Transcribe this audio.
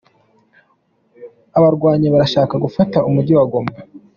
Abarwanyi barashaka gufata Umujyi wa Goma